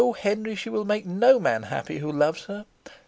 Henry, she will make no man happy who loves her.